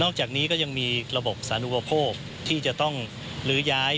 จากนี้ก็ยังมีระบบสานุปโภคที่จะต้องลื้อย้าย